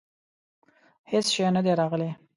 هیڅ شی نه دي راغلي.